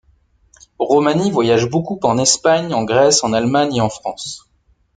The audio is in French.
Romani voyage beaucoup en Espagne, en Grèce, en Allemagne et en France.